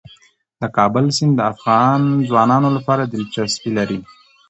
د کابل سیند د افغان ځوانانو لپاره دلچسپي لري.